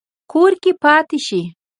کور کې پاتې شئ